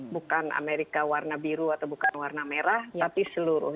bukan amerika warna biru atau bukan warna merah tapi seluruh